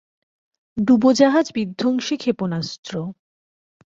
ডুবোজাহাজ-বিধ্বংসী ক্ষেপণাস্ত্র।